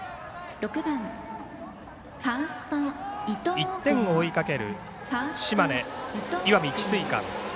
１点を追いかける島根・石見智翠館。